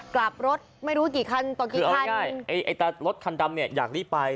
กลับรถไม่รู้กี่คันต่อกี่คันใช่ไอ้ไอ้แต่รถคันดำเนี่ยอยากรีบไป